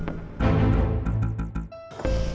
aku mau ke rumah